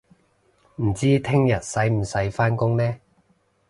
唔知聽日使唔使返工呢